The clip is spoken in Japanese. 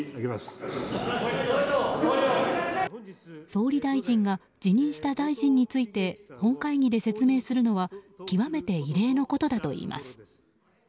総理大臣が辞任した大臣について本会議で説明するのは極めて異例のことだといいます。